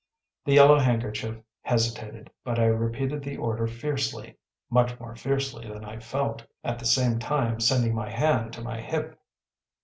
The Yellow Handkerchief hesitated; but I repeated the order fiercely (much more fiercely than I felt), at the same time sending my hand to my hip.